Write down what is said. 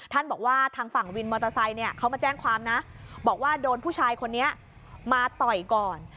บอกว่าทางฝั่งวินมอเตอร์ไซค์เนี่ยเขามาแจ้งความนะบอกว่าโดนผู้ชายคนนี้มาต่อยก่อน